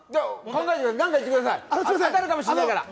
何か言ってください、当たるかもしれないので。